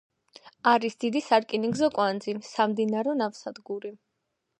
არის დიდი სარკინიგზო კვანძი, სამდინარო ნავსადგური.